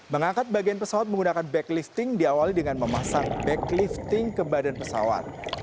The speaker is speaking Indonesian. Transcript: mengangkat bagian pesawat menggunakan backlifting diawali dengan memasang backlifting ke badan pesawat